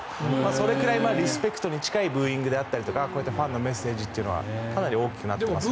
それくらいリスペクトに近いブーイングであったりとかこうやってファンのメッセージというのはかなり大きくなってますね。